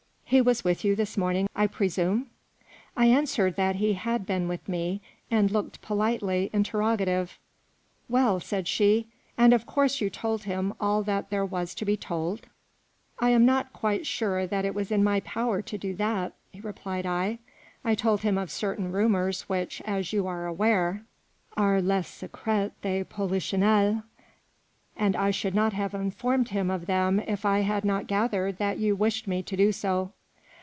He was with you this morning, I presume ?" I answered that he had been with me, and looked politely interrogative. " Well," said she ;" and of course you told him all that there was to be told." 16 THE ROMANCE OF " I am not sure that it was in my power to do that," replied I. " I told him of certain rumours which, as you are aware, are le secret de Polichinelle, and I should not have informed him of them if I had not gathered that you wished me to do so."